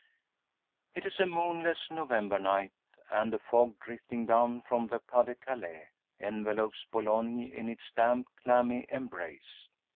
It is a moonless November night, and a fog drifting down from the Pas de Calais envelopes Boulogne in its damp, clammy embrace.